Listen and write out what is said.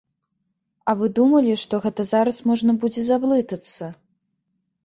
А вы думалі, што гэта зараз можна будзе заблытацца?